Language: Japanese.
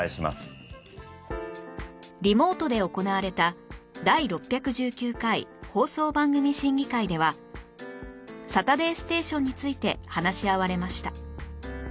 リモートで行われた第６１９回放送番組審議会では『サタデーステーション』について話し合われました